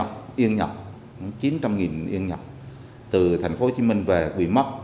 rồi một thân niên người ở hòa hiệp tuy hòa mang tiền nhọc yên nhọc chín trăm linh yên nhọc từ thành phố hồ chí minh về bị mất